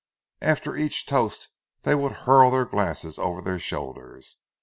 After each toast they would hurl their glasses over their shoulders.